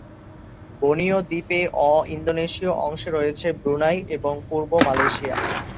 Borneo দ্বীপের অ-ইন্দোনেশীয় অংশে রয়েছে ব্রুনাই এবং পূর্ব মালয়েশিয়া।